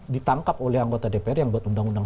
ditangkap oleh anggota dpr yang buat undang undang